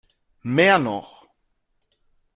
Mehr noch.